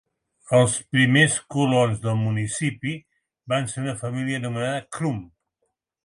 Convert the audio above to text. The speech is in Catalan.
Els primers colons del municipi van ser una família anomenada Krum.